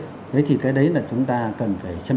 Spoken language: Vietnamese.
thế thì cái đấy là chúng ta cần phải xem